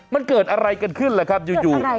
มันเกิดอะไรกันขึ้นล่ะครับอยู่